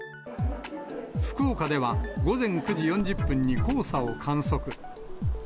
福岡では、午前９時４０分に黄砂を観測。